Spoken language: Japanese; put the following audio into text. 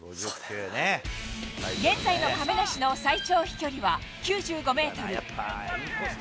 現在の亀梨の最長飛距離は、９５メートル。